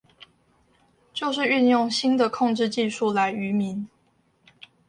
就是運用新的控制技術來愚民